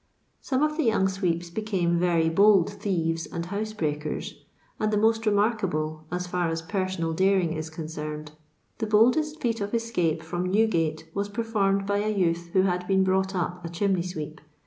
Some of the young sweeps became very bold thieves and house brc^ikers, and the most remarkable, as fiir as personal daring is concerned : the boldest feat of escape from Newgate was per formed by a youth who had been brought up a chimney sweep.